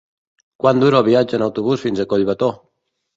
Quant dura el viatge en autobús fins a Collbató?